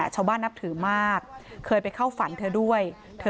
นับถือมากเคยไปเข้าฝันเธอด้วย